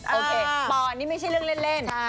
โอเคปอนนี่ไม่ใช่เรื่องเล่น